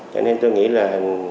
cho nên tôi nghĩ là